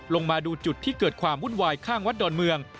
ลงมาดูจุดที่เกิดความวุ่นวายข้างวัดดอนเมือง